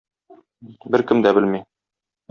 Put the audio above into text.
Беркем дә белми.